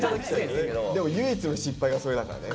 でも唯一の失敗がそれだからね。